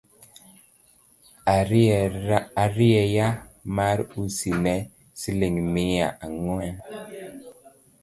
Arieya mar usi en siling’ mia ang’wen